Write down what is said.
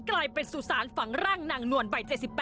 กลายเป็นสุสานฝังร่างนางนวลวัย๗๘